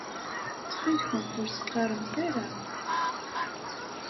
Ttxil-kent ur s-qqaṛemt ara.